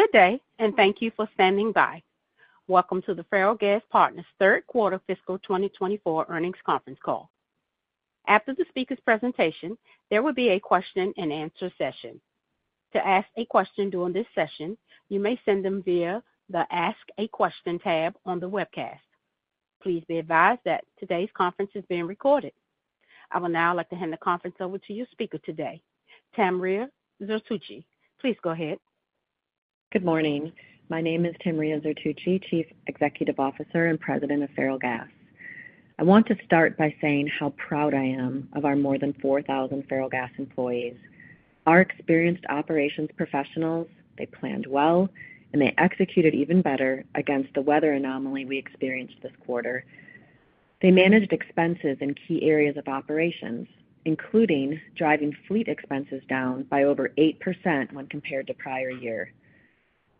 Good day, and thank you for standing by. Welcome to the Ferrellgas Partners third quarter fiscal 2024 earnings conference call. After the speaker's presentation, there will be a question-and-answer session. To ask a question during this session, you may send them via the Ask a Question tab on the webcast. Please be advised that today's conference is being recorded. I will now like to hand the conference over to your speaker today, Tamria Zertuche. Please go ahead. Good morning. My name is Tamria Zertuche, Chief Executive Officer and President of Ferrellgas. I want to start by saying how proud I am of our more than 4,000 Ferrellgas employees. Our experienced operations professionals, they planned well, and they executed even better against the weather anomaly we experienced this quarter. They managed expenses in key areas of operations, including driving fleet expenses down by over 8% when compared to prior year.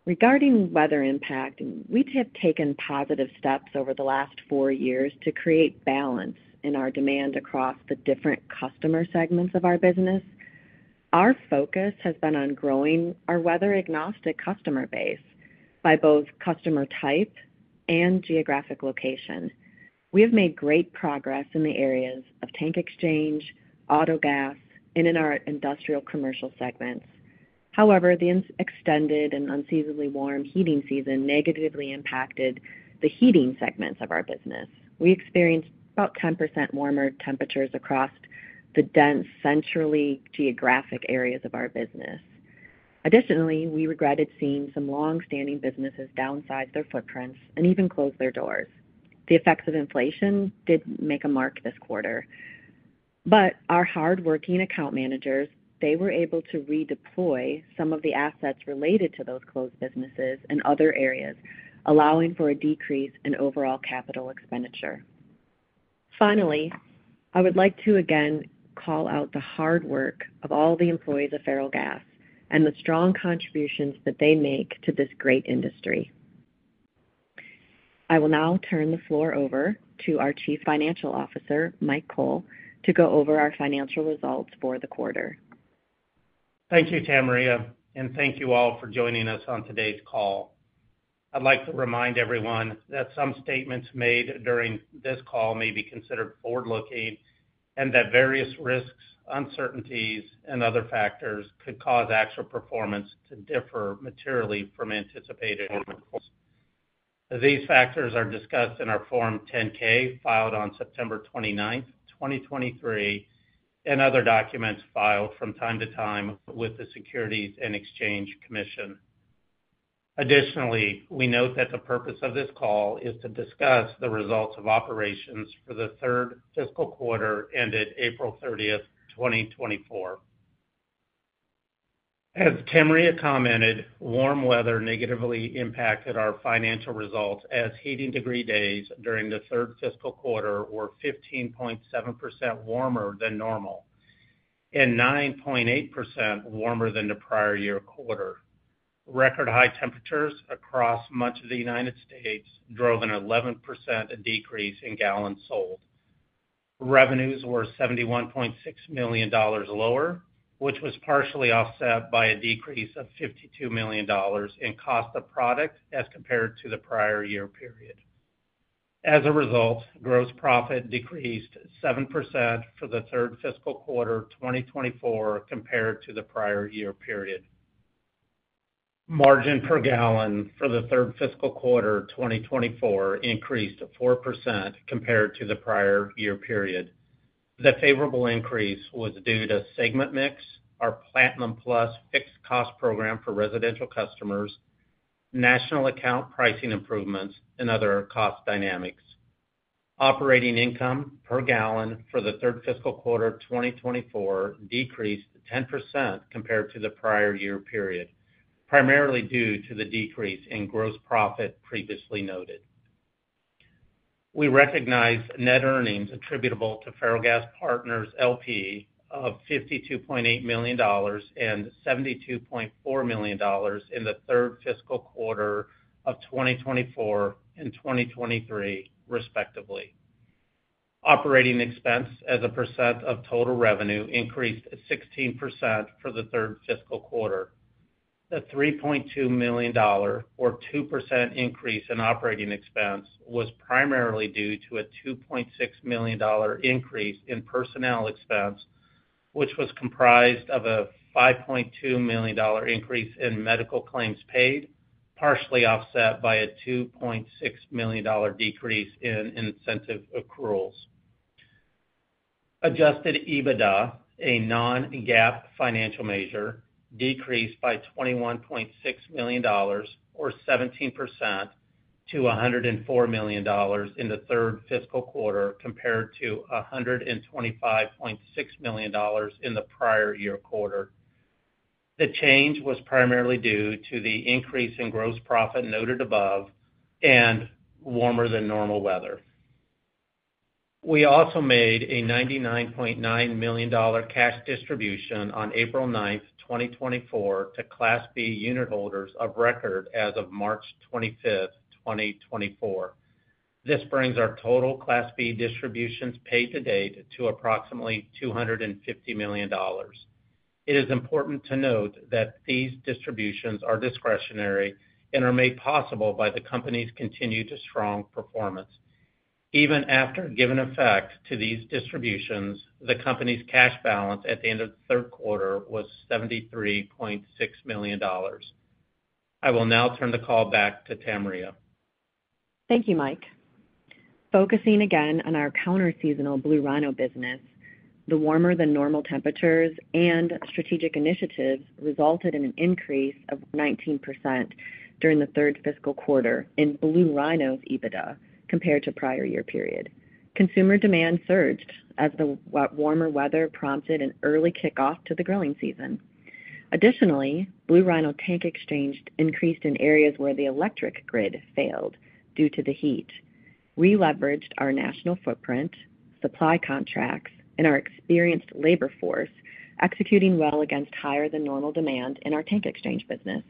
Regarding weather impact, we have taken positive steps over the last 4 years to create balance in our demand across the different customer segments of our business. Our focus has been on growing our weather-agnostic customer base by both customer type and geographic location. We have made great progress in the areas of tank exchange, autogas, and in our industrial commercial segments. However, the extended and unseasonably warm heating season negatively impacted the heating segments of our business. We experienced about 10% warmer temperatures across the dense, central geographic areas of our business. Additionally, we regretted seeing some long-standing businesses downsize their footprints and even close their doors. The effects of inflation did make a mark this quarter, but our hardworking account managers, they were able to redeploy some of the assets related to those closed businesses in other areas, allowing for a decrease in overall capital expenditure. Finally, I would like to again call out the hard work of all the employees of Ferrellgas and the strong contributions that they make to this great industry. I will now turn the floor over to our Chief Financial Officer, Mike Cole, to go over our financial results for the quarter. Thank you, Tamria, and thank you all for joining us on today's call. I'd like to remind everyone that some statements made during this call may be considered forward-looking, and that various risks, uncertainties, and other factors could cause actual performance to differ materially from anticipated performance. These factors are discussed in our Form 10-K, filed on September 29th, 2023, and other documents filed from time to time with the Securities and Exchange Commission. Additionally, we note that the purpose of this call is to discuss the results of operations for the third fiscal quarter ended April 30th, 2024. As Tamria commented, warm weather negatively impacted our financial results as Heating Degree Days during the third fiscal quarter were 15.7% warmer than normal and 9.8% warmer than the prior year quarter. Record high temperatures across much of the United States drove an 11% decrease in gallons sold. Revenues were $71.6 million lower, which was partially offset by a decrease of $52 million in cost of product as compared to the prior year period. As a result, gross profit decreased 7% for the third fiscal quarter 2024 compared to the prior year period. Margin per gallon for the third fiscal quarter 2024 increased to 4% compared to the prior year period. The favorable increase was due to segment mix, our Platinum Plus fixed cost program for residential customers, national account pricing improvements, and other cost dynamics. Operating income per gallon for the third fiscal quarter 2024 decreased 10% compared to the prior year period, primarily due to the decrease in gross profit previously noted. We recognize net earnings attributable to Ferrellgas Partners LP of $52.8 million and $72.4 million in the third fiscal quarter of 2024 and 2023, respectively. Operating expense as a percent of total revenue increased 16% for the third fiscal quarter. The $3.2 million or 2% increase in operating expense was primarily due to a $2.6 million increase in personnel expense, which was comprised of a $5.2 million increase in medical claims paid, partially offset by a $2.6 million decrease in incentive accruals. Adjusted EBITDA, a non-GAAP financial measure, decreased by $21.6 million or 17% to $104 million in the third fiscal quarter, compared to $125.6 million in the prior year quarter. The change was primarily due to the increase in gross profit noted above and warmer-than-normal weather. We also made a $99.9 million cash distribution on April 9, 2024, to Class B Unitholders of record as of March 25, 2024. This brings our total Class B distributions paid to date to approximately $250 million. It is important to note that these distributions are discretionary and are made possible by the company's continued strong performance. Even after giving effect to these distributions, the company's cash balance at the end of the third quarter was $73.6 million. I will now turn the call back to Tamria. Thank you, Mike. Focusing again on our counterseasonal Blue Rhino business, the warmer than normal temperatures and strategic initiatives resulted in an increase of 19% during the third fiscal quarter in Blue Rhino's EBITDA compared to prior year period. Consumer demand surged as the warmer weather prompted an early kickoff to the growing season. Additionally, Blue Rhino tank exchange increased in areas where the electric grid failed due to the heat. We leveraged our national footprint, supply contracts, and our experienced labor force, executing well against higher than normal demand in our tank exchange business.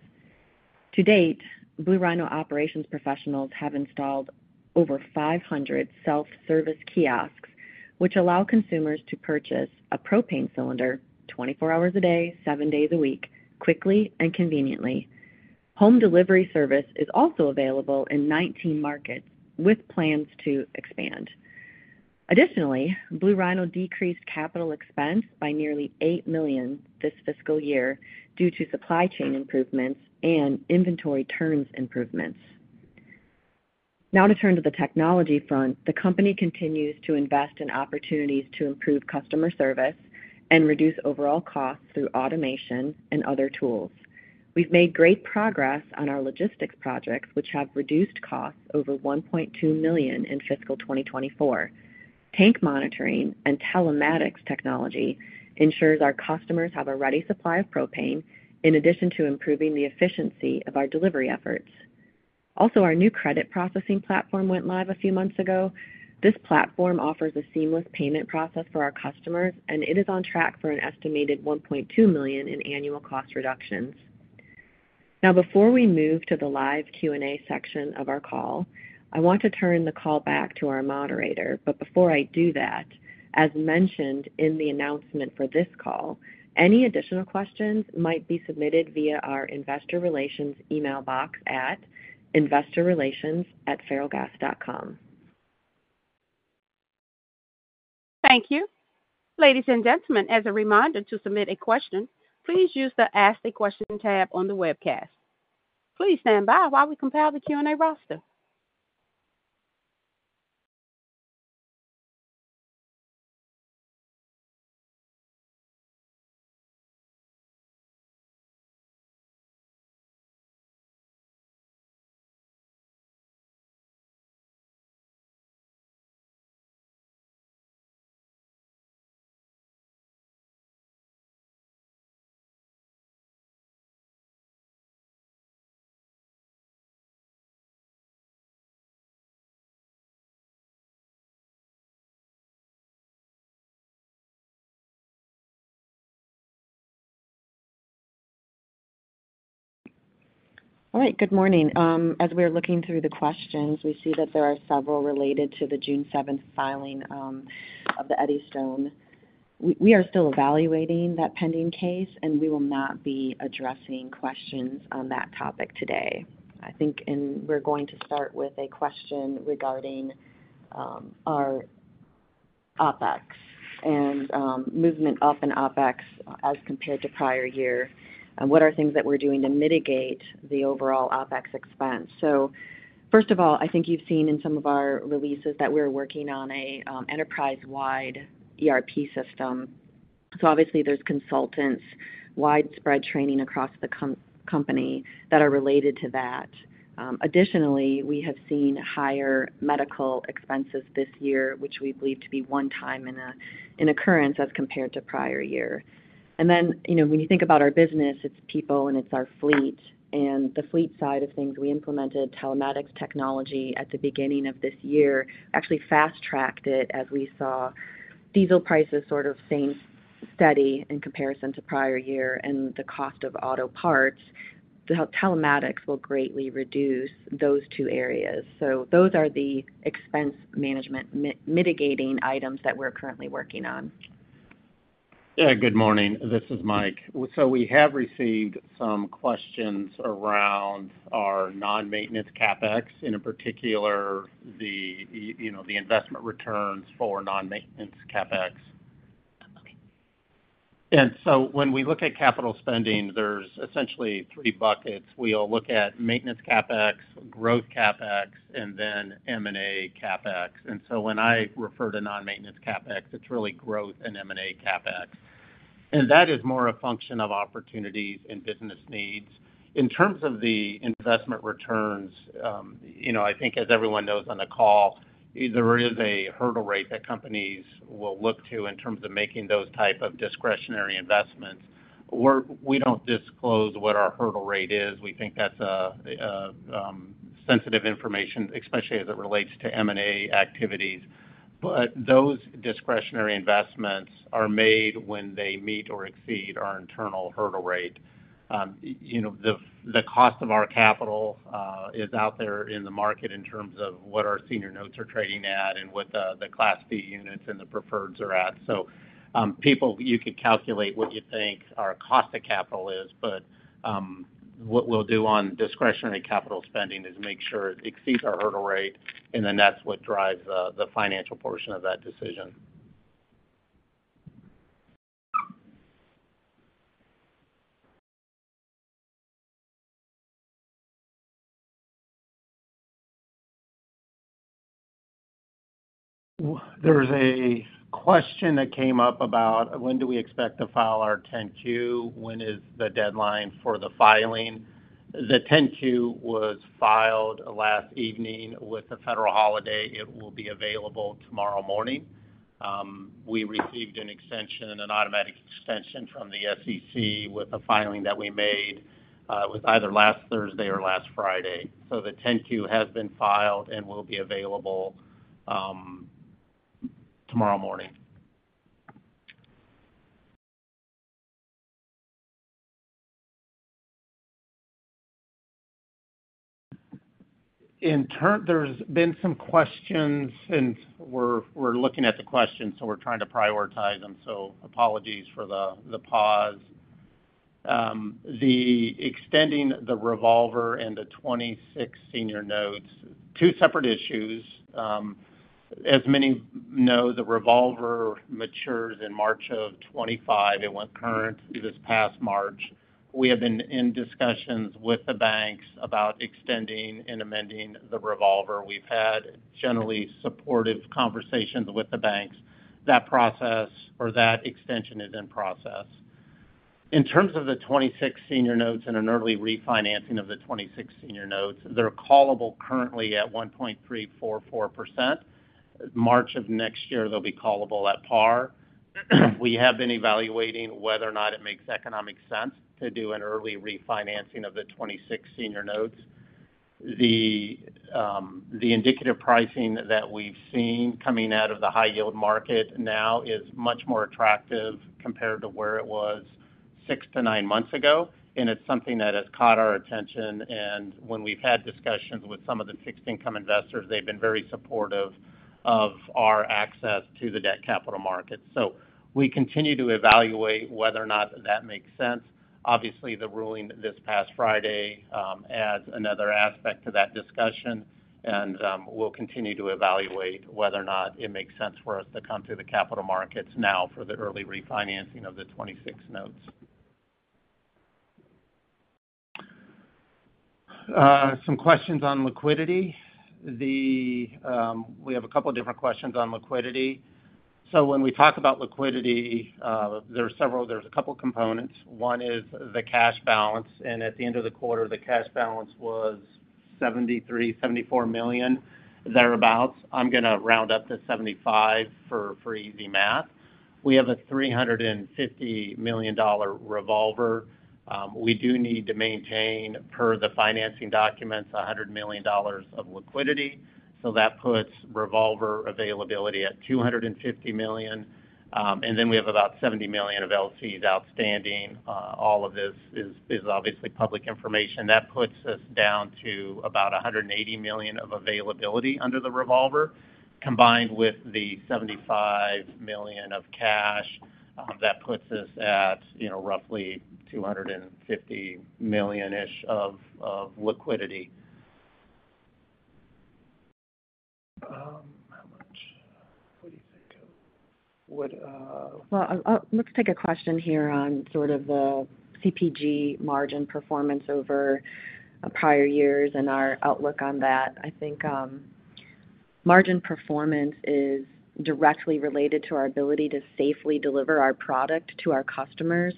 To date, Blue Rhino operations professionals have installed over 500 self-service kiosks, which allow consumers to purchase a propane cylinder 24 hours a day, 7 days a week, quickly and conveniently. Home delivery service is also available in 19 markets, with plans to expand. Additionally, Blue Rhino decreased capital expense by nearly $8 million this fiscal year due to supply chain improvements and inventory turns improvements. Now to turn to the technology front. The company continues to invest in opportunities to improve customer service and reduce overall costs through automation and other tools. We've made great progress on our logistics projects, which have reduced costs over $1.2 million in fiscal 2024. Tank monitoring and telematics technology ensures our customers have a ready supply of propane, in addition to improving the efficiency of our delivery efforts. Also, our new credit processing platform went live a few months ago. This platform offers a seamless payment process for our customers, and it is on track for an estimated $1.2 million in annual cost reductions. Now, before we move to the live Q&A section of our call, I want to turn the call back to our moderator. But before I do that, as mentioned in the announcement for this call, any additional questions might be submitted via our investor relations email box at investorrelations@Ferrellgas.com. Thank you. Ladies and gentlemen, as a reminder, to submit a question, please use the Ask a Question tab on the webcast. Please stand by while we compile the Q&A roster. All right. Good morning. As we're looking through the questions, we see that there are several related to the June seventh filing of the Eddystone. We are still evaluating that pending case, and we will not be addressing questions on that topic today. I think, and we're going to start with a question regarding our OpEx and movement up in OpEx as compared to prior year, and what are things that we're doing to mitigate the overall OpEx expense. So first of all, I think you've seen in some of our releases that we're working on an enterprise-wide ERP system. So obviously, there's consultants, widespread training across the company that are related to that. Additionally, we have seen higher medical expenses this year, which we believe to be one-time in an occurrence as compared to prior year. Then, you know, when you think about our business, it's people and it's our fleet. And the fleet side of things, we implemented telematics technology at the beginning of this year, actually fast-tracked it as we saw diesel prices sort of staying steady in comparison to prior year and the cost of auto parts. The telematics will greatly reduce those two areas. So those are the expense management mitigating items that we're currently working on. Yeah, good morning. This is Mike. So we have received some questions around our non-maintenance CapEx, in particular, the, you know, the investment returns for non-maintenance CapEx. Okay. When we look at capital spending, there's essentially three buckets. We'll look at maintenance CapEx, growth CapEx, and then M&A CapEx. When I refer to non-maintenance CapEx, it's really growth in M&A CapEx, and that is more a function of opportunities and business needs. In terms of the investment returns, you know, I think as everyone knows on the call, there is a hurdle rate that companies will look to in terms of making those type of discretionary investments. We don't disclose what our hurdle rate is. We think that's a sensitive information, especially as it relates to M&A activities. But those discretionary investments are made when they meet or exceed our internal hurdle rate. You know, the cost of our capital is out there in the market in terms of what our senior notes are trading at and what the Class B units and the preferreds are at. So, people, you could calculate what you think our cost of capital is, but what we'll do on discretionary capital spending is make sure it exceeds our hurdle rate, and then that's what drives the financial portion of that decision. There is a question that came up about when do we expect to file our 10-Q? When is the deadline for the filing? The 10-Q was filed last evening. With the federal holiday, it will be available tomorrow morning. We received an extension, an automatic extension from the SEC with a filing that we made with either last Thursday or last Friday. So the 10-Q has been filed and will be available tomorrow morning. In turn, there's been some questions, and we're looking at the questions, so we're trying to prioritize them, so apologies for the pause. The extending the revolver and the 2026 senior notes, two separate issues. As many know, the revolver matures in March of 2025. It went current through this past March. We have been in discussions with the banks about extending and amending the revolver. We've had generally supportive conversations with the banks. That process or that extension is in process. In terms of the 2026 senior notes and an early refinancing of the 2026 senior notes, they're callable currently at 1.344%. March of next year, they'll be callable at par. We have been evaluating whether or not it makes economic sense to do an early refinancing of the 2026 senior notes. The indicative pricing that we've seen coming out of the high yield market now is much more attractive compared to where it was six to nine months ago, and it's something that has caught our attention. When we've had discussions with some of the fixed income investors, they've been very supportive of our access to the debt capital markets. We continue to evaluate whether or not that makes sense. Obviously, the ruling this past Friday adds another aspect to that discussion, and we'll continue to evaluate whether or not it makes sense for us to come to the capital markets now for the early refinancing of the 2026 senior notes. Some questions on liquidity. We have a couple different questions on liquidity. So when we talk about liquidity, there's a couple components. One is the cash balance, and at the end of the quarter, the cash balance was $73 million-$74 million, thereabout. I'm gonna round up to $75 million for easy math. We have a $350 million revolver. We do need to maintain, per the financing documents, $100 million of liquidity, so that puts revolver availability at $250 million. And then we have about $70 million of LCs outstanding. All of this is obviously public information. That puts us down to about $180 million of availability under the revolver, combined with the $75 million of cash, that puts us at, you know, roughly $250 million-ish of liquidity. How much would you think of? Well, let's take a question here on sort of the CPG margin performance over prior years and our outlook on that. I think, margin performance is directly related to our ability to safely deliver our product to our customers,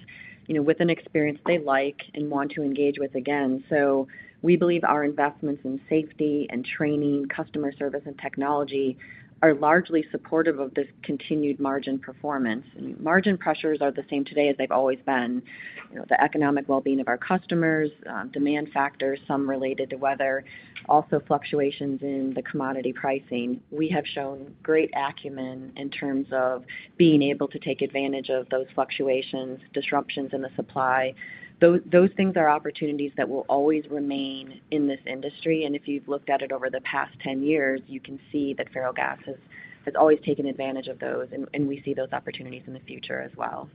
you know, with an experience they like and want to engage with again. So we believe our investments in safety and training, customer service, and technology are largely supportive of this continued margin performance. Margin pressures are the same today as they've always been. You know, the economic well-being of our customers, demand factors, some related to weather, also fluctuations in the commodity pricing. We have shown great acumen in terms of being able to take advantage of those fluctuations, disruptions in the supply. Those things are opportunities that will always remain in this industry, and if you've looked at it over the past 10 years, you can see that Ferrellgas has always taken advantage of those, and we see those opportunities in the future as well.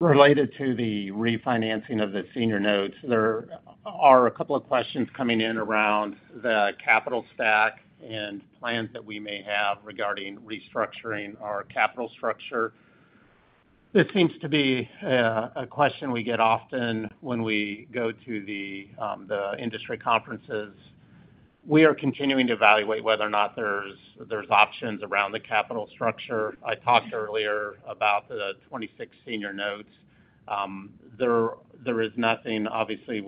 Related to the refinancing of the senior notes, there are a couple of questions coming in around the capital stack and plans that we may have regarding restructuring our capital structure. This seems to be a question we get often when we go to the industry conferences. We are continuing to evaluate whether or not there's options around the capital structure. I talked earlier about the 2026 senior notes. There is nothing, obviously,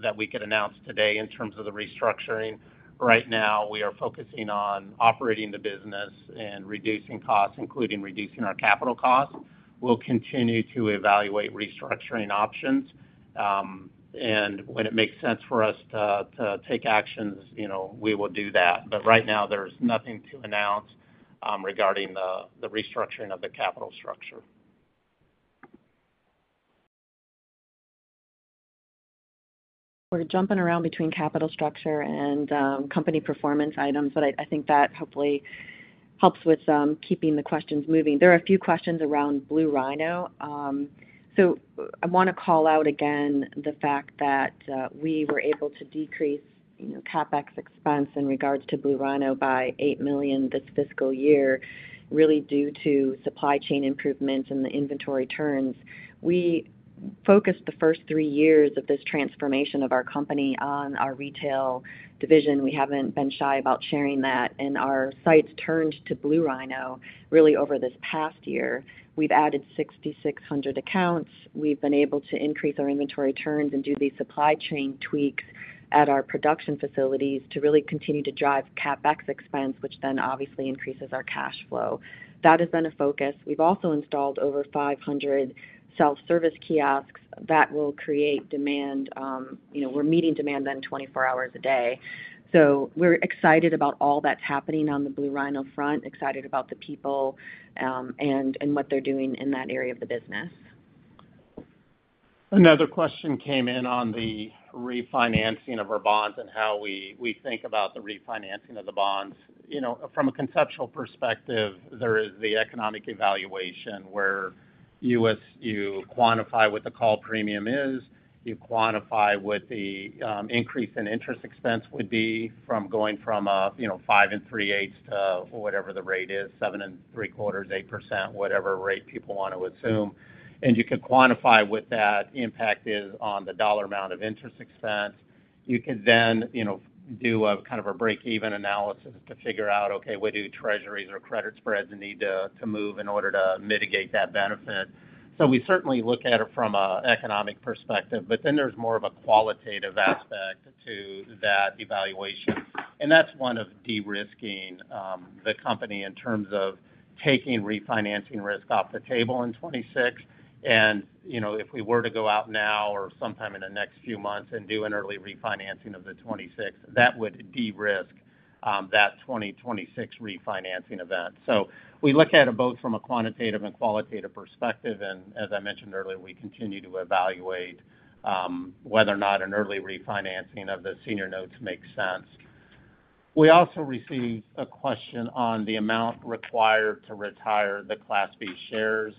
that we could announce today in terms of the restructuring. Right now, we are focusing on operating the business and reducing costs, including reducing our capital costs. We'll continue to evaluate restructuring options, and when it makes sense for us to take actions, you know, we will do that. But right now, there's nothing to announce regarding the restructuring of the capital structure. We're jumping around between capital structure and company performance items, but I think that hopefully helps with keeping the questions moving. There are a few questions around Blue Rhino. So I wanna call out again the fact that we were able to decrease, you know, CapEx expense in regards to Blue Rhino by $8 million this fiscal year, really due to supply chain improvements and the inventory turns. We focused the first 3 years of this transformation of our company on our retail division. We haven't been shy about sharing that, and our sights turned to Blue Rhino really over this past year. We've added 6,600 accounts. We've been able to increase our inventory turns and do these supply chain tweaks at our production facilities to really continue to drive CapEx expense, which then obviously increases our cash flow. That has been a focus. We've also installed over 500 self-service kiosks that will create demand. You know, we're meeting demand then 24 hours a day. So we're excited about all that's happening on the Blue Rhino front, excited about the people, and what they're doing in that area of the business. Another question came in on the refinancing of our bonds and how we think about the refinancing of the bonds. You know, from a conceptual perspective, there is the economic evaluation where you, as you quantify what the call premium is, you quantify what the increase in interest expense would be from going from a, you know, 5 and 3/8 to whatever the rate is, 7 and 3/4, 8%, whatever rate people want to assume. You can quantify what that impact is on the dollar amount of interest expense. You can then, you know, do a kind of a break-even analysis to figure out, okay, where do Treasuries or credit spreads need to move in order to mitigate that benefit? So we certainly look at it from an economic perspective, but then there's more of a qualitative aspect to that evaluation, and that's one of de-risking the company in terms of taking refinancing risk off the table in 2026. And, you know, if we were to go out now or sometime in the next few months and do an early refinancing of the 2026, that would de-risk that 2026 refinancing event. So we look at it both from a quantitative and qualitative perspective, and as I mentioned earlier, we continue to evaluate whether or not an early refinancing of the senior notes makes sense. We also received a question on the amount required to retire the Class B shares.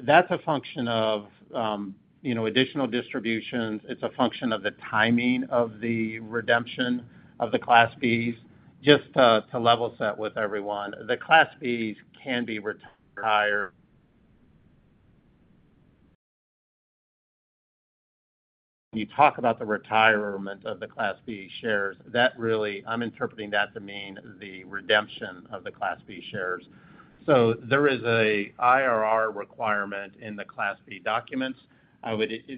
That's a function of, you know, additional distributions. It's a function of the timing of the redemption of the Class Bs. Just to level set with everyone, the Class Bs can be retired. You talk about the retirement of the Class B shares, that really, I'm interpreting that to mean the redemption of the Class B shares. So there is an IRR requirement in the Class B documents.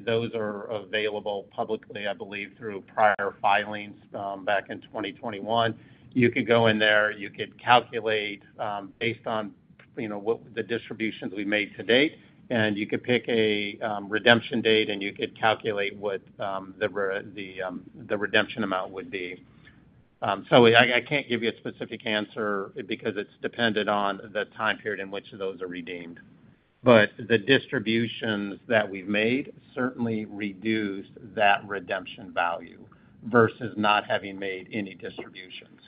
Those are available publicly, I believe, through prior filings back in 2021. You could go in there, you could calculate, based on, you know, what the distributions we've made to date, and you could pick a redemption date, and you could calculate what the redemption amount would be. So I can't give you a specific answer because it's dependent on the time period in which those are redeemed. But the distributions that we've made certainly reduce that redemption value versus not having made any distributions.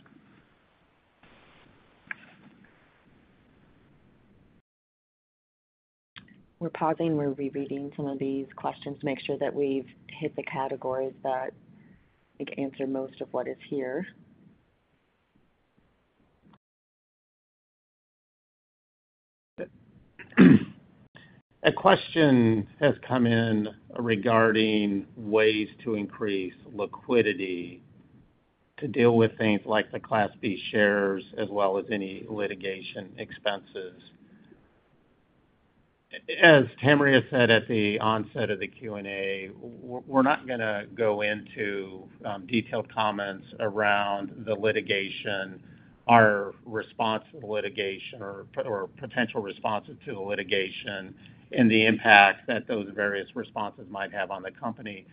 We're pausing. We're rereading some of these questions, make sure that we've hit the categories that, I think, answer most of what is here. A question has come in regarding ways to increase liquidity to deal with things like the Class B shares, as well as any litigation expenses. As Tamria said at the onset of the Q&A, we're not gonna go into detailed comments around the litigation, our response to the litigation or potential responses to the litigation, and the impact that those various responses might have on the company.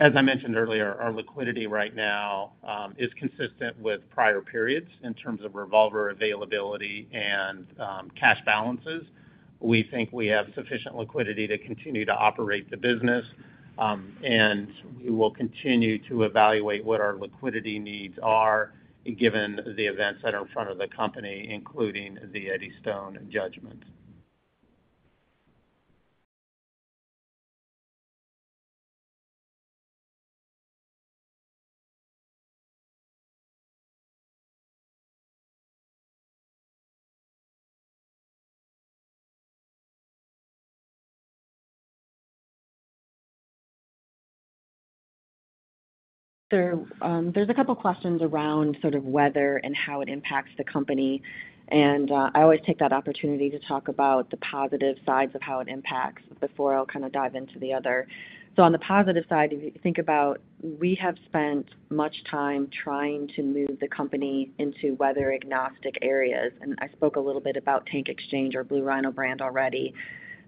As I mentioned earlier, our liquidity right now is consistent with prior periods in terms of revolver availability and cash balances. We think we have sufficient liquidity to continue to operate the business, and we will continue to evaluate what our liquidity needs are given the events that are in front of the company, including the Eddystone judgment. So, there's a couple questions around sort of weather and how it impacts the company, and I always take that opportunity to talk about the positive sides of how it impacts before I'll kind of dive into the other. So on the positive side, if you think about, we have spent much time trying to move the company into weather-agnostic areas, and I spoke a little bit about Tank Exchange or Blue Rhino brand already.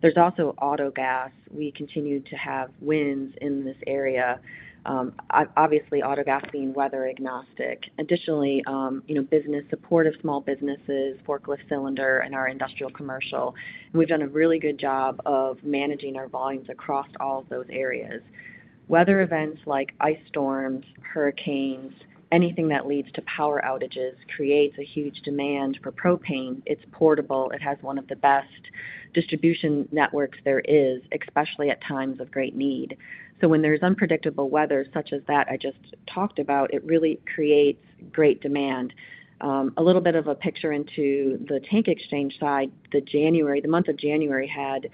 There's also Autogas. We continue to have wins in this area. Obviously, Autogas being weather agnostic. Additionally, you know, business support of small businesses, forklift cylinder, and our industrial commercial. We've done a really good job of managing our volumes across all of those areas. Weather events like ice storms, hurricanes, anything that leads to power outages, creates a huge demand for propane. It's portable. It has one of the best distribution networks there is, especially at times of great need. So when there's unpredictable weather, such as that I just talked about, it really creates great demand. A little bit of a picture into the tank exchange side, the month of January had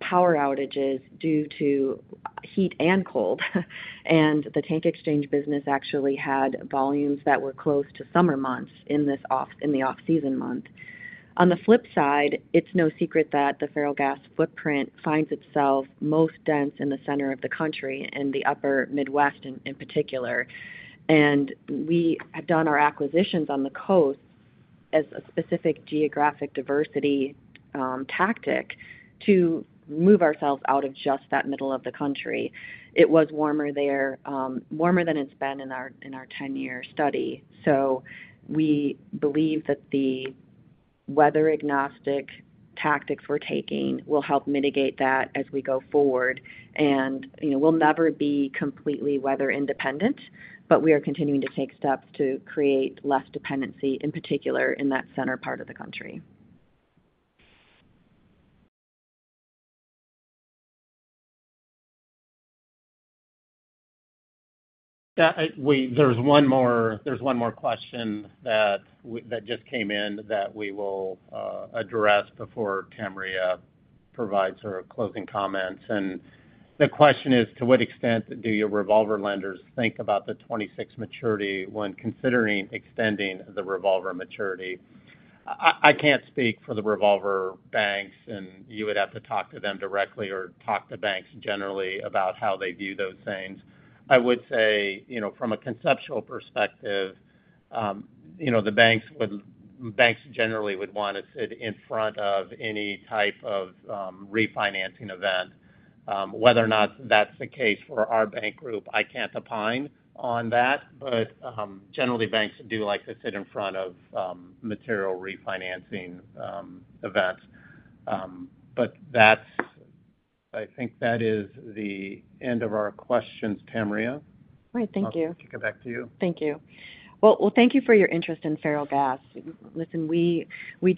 power outages due to heat and cold, and the tank exchange business actually had volumes that were close to summer months in this off-season month. On the flip side, it's no secret that the Ferrellgas footprint finds itself most dense in the center of the country, in the upper Midwest, in particular. We have done our acquisitions on the coast as a specific geographic diversity tactic to move ourselves out of just that middle of the country. It was warmer there, warmer than it's been in our 10 year study. So we believe that the weather agnostic tactics we're taking will help mitigate that as we go forward. And, you know, we'll never be completely weather independent, but we are continuing to take steps to create less dependency, in particular, in that center part of the country. Yeah, we-- there's one more, there's one more question that just came in that we will address before Tamria provides her closing comments. And the question is: To what extent do your revolver lenders think about the 2026 maturity when considering extending the revolver maturity? I can't speak for the revolver banks, and you would have to talk to them directly or talk to banks generally about how they view those things. I would say, you know, from a conceptual perspective, you know, the banks would-- banks generally would want to sit in front of any type of refinancing event. Whether or not that's the case for our bank group, I can't opine on that, but generally, banks do like to sit in front of material refinancing events. But that's, I think, the end of our questions, Tamria. All right. Thank you. I'll kick it back to you. Thank you. Well, well, thank you for your interest in Ferrellgas. Listen, we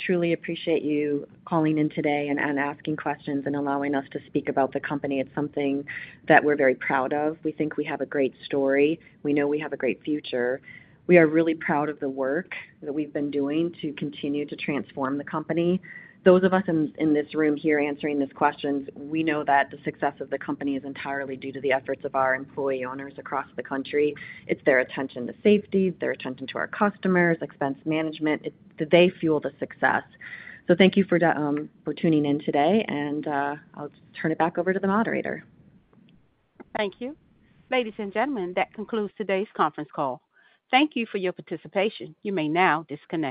truly appreciate you calling in today and asking questions and allowing us to speak about the company. It's something that we're very proud of. We think we have a great story. We know we have a great future. We are really proud of the work that we've been doing to continue to transform the company. Those of us in this room here answering these questions, we know that the success of the company is entirely due to the efforts of our employee owners across the country. It's their attention to safety, their attention to our customers, expense management. It's they fuel the success. So thank you for tuning in today, and I'll turn it back over to the moderator. Thank you. Ladies and gentlemen, that concludes today's conference call. Thank you for your participation. You may now disconnect.